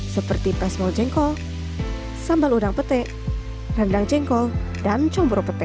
seperti pesmol jengkol sambal udang pete rendang jengkol dan combro pete